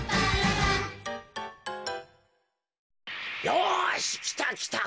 よしきたきた。